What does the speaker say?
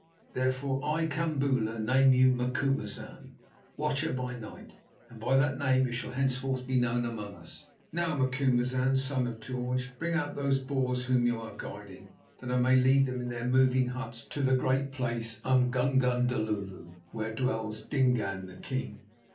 Therefore, that I, Kambula, name you Macumazahn, Watcher by night, and by that name you shall henceforth be known among us. Now, Macumazahn, son of George, bring out these Boers whom you are guiding that I may lead them in their moving huts to the Great Place, Umgungundhlovu, where dwells Dingaan the king.